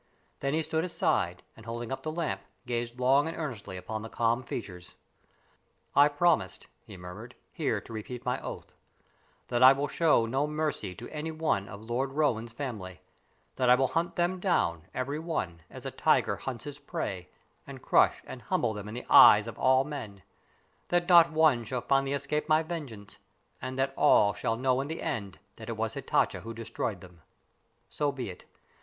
Then he stood aside, and holding up the lamp, gazed long and earnestly upon the calm features. "I promised," he murmured, "here to repeat my oath: That I will show no mercy to any one of Lord Roane's family; that I will hunt them down, every one, as a tiger hunts his prey, and crush and humble them in the eyes of all men; that not one shall finally escape my vengeance, and that all shall know in the end that it was Hatatcha who destroyed them. So be it.